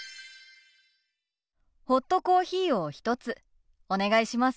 ホットコーヒーを１つお願いします。